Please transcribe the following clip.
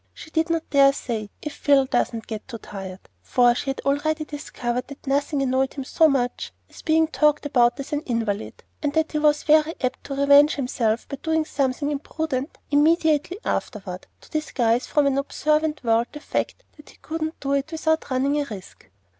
She did not dare say, "if Phil doesn't get too tired," for she had already discovered that nothing annoyed him so much as being talked about as an invalid, and that he was very apt to revenge himself by doing something imprudent immediately afterward, to disguise from an observant world the fact that he couldn't do it without running a risk.